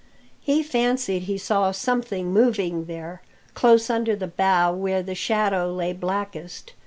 He fancied he saw something move there, close under the bow where the shadow lay blackest.